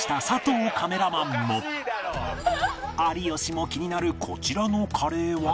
有吉も気になるこちらのカレーは